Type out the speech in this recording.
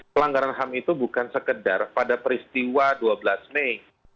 pelanggaran ham itu bukan sekedar pada peristiwa dua belas mei